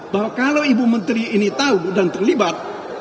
bahwa kalau ibu menteri ini tahu dan terlibat